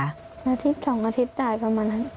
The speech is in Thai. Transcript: อาทิตย์๒อาทิตย์ได้ประมาณนั้น